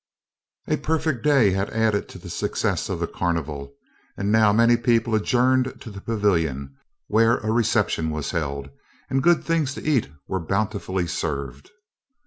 A perfect day had added to the success of the carnival, and now many people adjourned to the pavilion, where a reception was held, and good things to eat were bountifully served.